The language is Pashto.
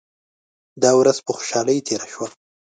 دا ورځ په خوشالۍ تیره شوه.